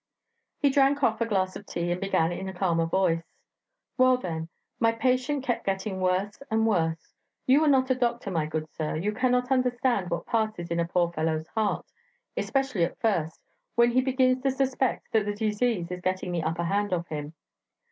He drank off a glass of tea, and began in a calmer voice. "Well, then. My patient kept getting worse and worse. You are not a doctor, my good sir; you cannot understand what passes in a poor fellow's heart, especially at first, when he begins to suspect that the disease is getting the upper hand of him.